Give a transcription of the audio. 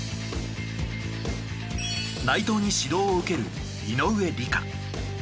内藤に指導を受ける井上莉花。